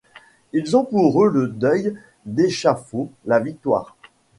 Ils ont pour-eux le deuil, l'échafaud, la victoire